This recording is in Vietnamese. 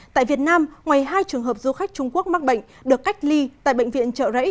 tại việt nam ngoài hai trường hợp du khách trung quốc mắc bệnh được cách ly tại bệnh viện trợ rẫy